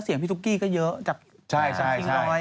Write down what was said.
เสียงพี่ตุ๊กกี้ก็เยอะจากฤติการฤทธิ์